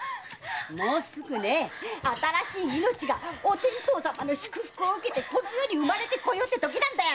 もうすぐ新しい命がお天道様の祝福を受けてこの世に生まれて来ようってときだよ！